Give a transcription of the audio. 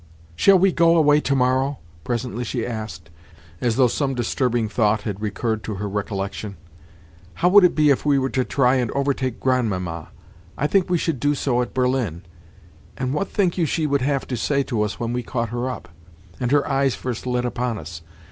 "Shall we go away tomorrow?" presently she asked, as though some disturbing thought had recurred to her recollection. "How would it be if we were to try and overtake Grandmamma? I think we should do so at Berlin. And what think you she would have to say to us when we caught her up, and her eyes first lit upon us?